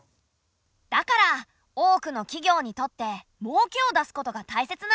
だから多くの企業にとってもうけを出すことがたいせつなんだ。